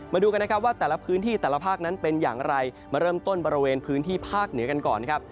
มาดูกันนะครับว่าแต่ละพื้นที่แต่ละภาคนั้นเป็นอย่างไรมาเริ่มต้นบริเวณพื้นที่ภาคเหนือกันก่อนนะครับ